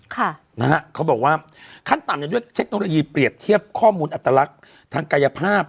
ค่ะนะฮะเขาบอกว่าขั้นต่ำเนี่ยด้วยเทคโนโลยีเปรียบเทียบข้อมูลอัตลักษณ์ทางกายภาพ